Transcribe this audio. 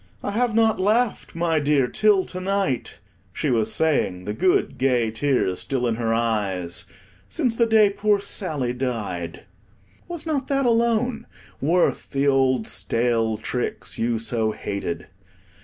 "I have not laughed, my dear, till to night," she was saying, the good, gay tears still in her eyes, "since the day poor Sally died." Was not that alone worth the old stale tricks you so hated?